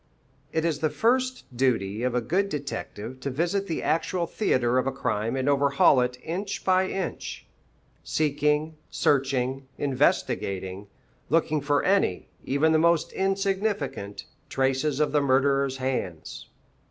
It is the first duty of a good detective to visit the actual theatre of a crime and overhaul it inch by inch, seeking, searching, investigating, looking for any, even the most insignificant, traces of the murderer's hands.